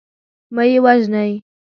مه یې وژنی.